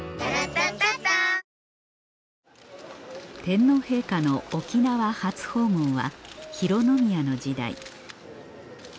天皇陛下の沖縄初訪問は浩宮の時代